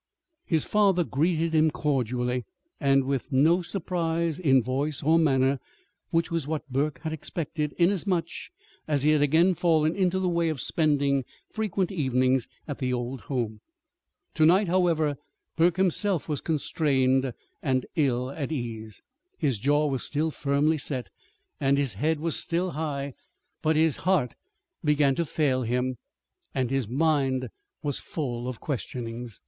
His father greeted him cordially, and with no surprise in voice or manner which was what Burke had expected, inasmuch as he had again fallen into the way of spending frequent evenings at the old home. To night, however, Burke himself was constrained and ill at ease. His jaw was still firmly set and his head was still high; but his heart was beginning to fail him, and his mind was full of questionings.